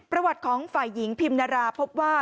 ประวัติของฝ่ายหญิงพิมนาราพบว่า